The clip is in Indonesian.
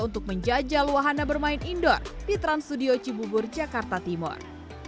untuk menjajal wahana bermain indoor di trans studio cibubur jakarta timur